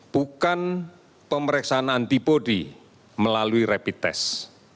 bukan pemeriksaan antibody melalui rapid test